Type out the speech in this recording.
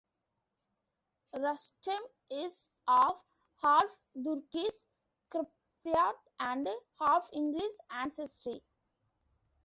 Rustem is of half Turkish Cypriot and half English ancestry.